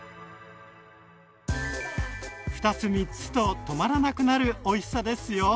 ２つ３つと止まらなくなるおいしさですよ。